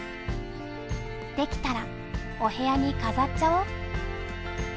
できたらお部屋に飾っちゃおう。